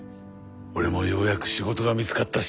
俺もようやく仕事が見つかったし。